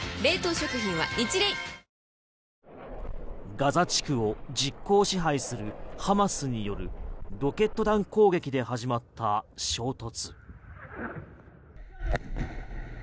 ガザ地区を実効支配するハマスによるロケット弾攻撃で始まった衝突。